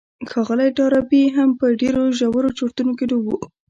ښاغلی ډاربي هم په ډېرو ژورو چورتونو کې ډوب و.